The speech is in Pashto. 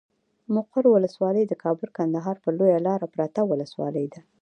مقر ولسوالي د کابل کندهار پر لويه لاره پرته ولسوالي ده.